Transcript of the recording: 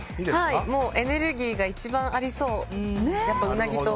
エネルギーが一番ありそう。